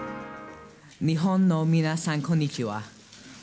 日本の皆さんこんにちは。